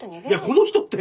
「この人」って！